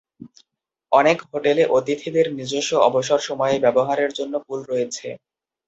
অনেক হোটেলে অতিথিদের নিজস্ব অবসর সময়ে ব্যবহারের জন্য পুল রয়েছে।